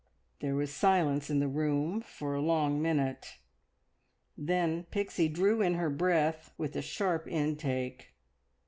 There was silence in the room for a long minute. Then Pixie drew in her breath with a sharp intake.